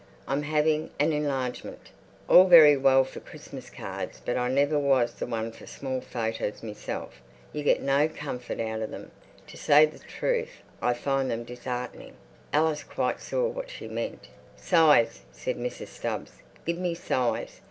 I'm having an enlargemint. All very well for Christmas cards, but I never was the one for small photers myself. You get no comfort out of them. To say the truth, I find them dis'eartening." Alice quite saw what she meant. "Size," said Mrs. Stubbs. "Give me size.